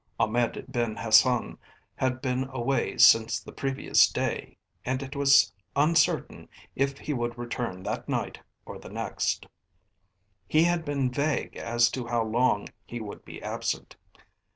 Ahmed Ben Hassan had been away since the previous day and it was uncertain if he would return that night or the next. He had been vague as to how long he would be absent.